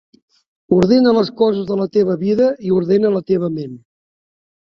Ordena les coses de la teva vida i ordena la teva ment.